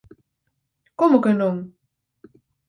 Como que non?